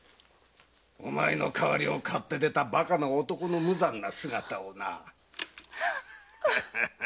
お前の代わりを買って出たバカな男の無残な姿をな。